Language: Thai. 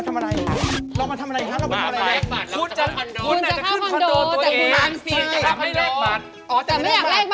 อ๋อแต่ไม่อยากแลกบัตร